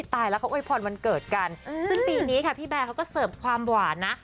ตายแล้วเขาโวยพรวันเกิดกันซึ่งปีนี้ค่ะพี่แบร์เขาก็เสิร์ฟความหวานนะ